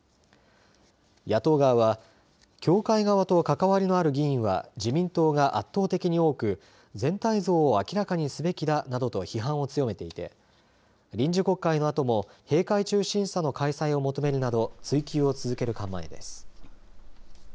野党側は協会側と関わりのある議員は自民党が圧倒的に多く全体像を明らかにすべきだなどと批判を強めていて臨時国会の後も閉会中審査の開催を求めるなど追及を続ける構えです。